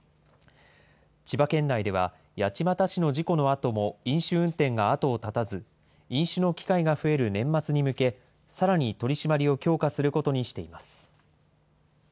千葉県内では、八街市の事故のあとも飲酒運転が後を絶たず、飲酒の機会が増える年末に向け、さらに取締りを強化することにしています。